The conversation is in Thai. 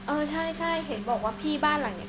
เออใช่ใช่เห็นบอกว่าพี่บ้านหลังนี้